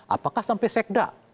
apakah sampai sekda